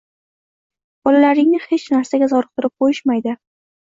Bolalaringni hech narsaga zoriqtirib qo‘yishmaydi